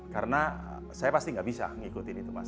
karena saya pasti gak bisa ngikutin itu mas